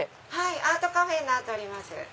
アートカフェになっております。